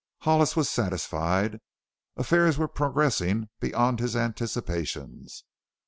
Hollis was satisfied. Affairs were progressing beyond his anticipations.